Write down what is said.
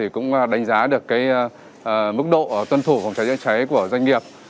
cũng đánh giá được mức độ tuân thủ phòng cháy chữa cháy của doanh nghiệp